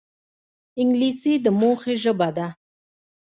انګلیسي د موخې ژبه ده